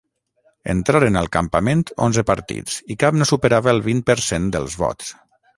Entraren al parlament onze partits i cap no superava el vint per cent dels vots.